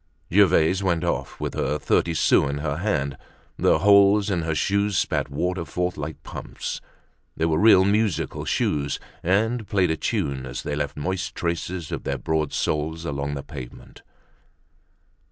Gervaise went off with her thirty sous in her hand. The holes in her shoes spat water forth like pumps; they were real musical shoes, and played a tune as they left moist traces of their broad soles along the pavement.